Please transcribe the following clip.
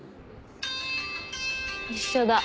一緒だ。